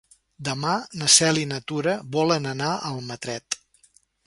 Demà na Cel i na Tura volen anar a Almatret.